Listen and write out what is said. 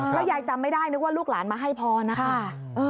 แล้วยายจำไม่ได้นึกว่าลูกหลานมาให้พรนะคะ